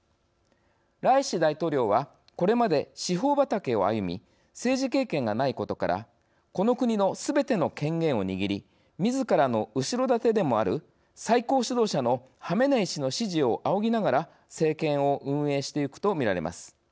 ライシ大統領はこれまで司法畑を歩み政治経験がないことからこの国のすべての権限を握りみずからの後ろ盾でもある最高指導者のハメネイ師の指示を仰ぎながら政権を運営してゆくとみられます。